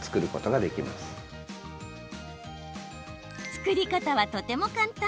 作り方はとても簡単。